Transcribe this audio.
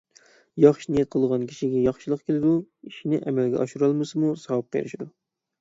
ياخشى نىيەت قىلغان كىشىگە ياخشىلىق كېلىدۇ، ئىشنى ئەمەلگە ئاشۇرالمىسىمۇ، ساۋابقا ئېرىشىدۇ.